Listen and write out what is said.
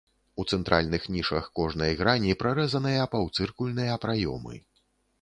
У цэнтральных нішах кожнай грані прарэзаныя паўцыркульныя праёмы.